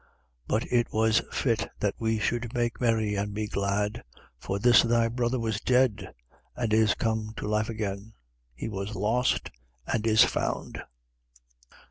15:32. But it was fit that we should make merry and be glad: for this thy brother was dead and is come to life again; he was lost, and is found.